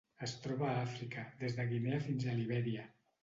Es troba a Àfrica: des de Guinea fins a Libèria.